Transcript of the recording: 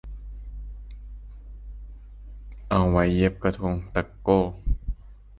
เอาไว้เย็บกระทงตะโก้